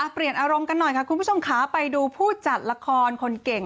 เปลี่ยนอารมณ์กันหน่อยค่ะคุณผู้ชมค่ะไปดูผู้จัดละครคนเก่ง